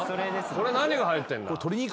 これ何が入ってんだ？